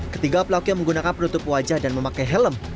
ketiga pelaku yang menggunakan penutup wajah dan memakai helm